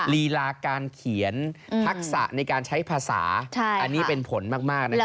ลีลาการเขียนทักษะในการใช้ภาษาอันนี้เป็นผลมากนะครับ